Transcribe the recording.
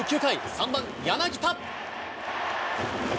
３番柳田。